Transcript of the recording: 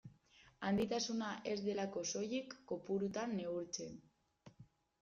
Handitasuna ez delako soilik kopurutan neurtzen.